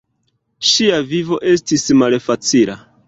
Ŝia vivo estis malfacila.